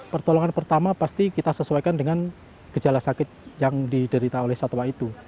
pertolongan pertama pasti kita sesuaikan dengan gejala sakit yang diderita oleh satwa itu